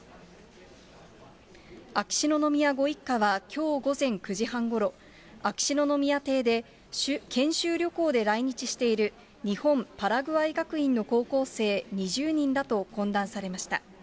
秋篠宮ご一家は、きょう午前９時半ごろ、秋篠宮邸で研修旅行で来日している、日本パラグアイ学院の高校生２０人らと懇談されました。